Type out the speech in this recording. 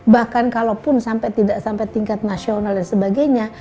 bahkan kalaupun sampai tidak sampai tingkat nasional dan sebagainya